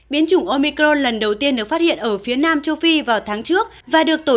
biến chủng omicron lần đầu tiên được phát hiện ở phía nam châu phi vào tháng trước và được tổ